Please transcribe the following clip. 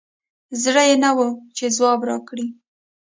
زړه یي نه وو چې ځواب راکړي